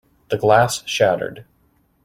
The glass shattered.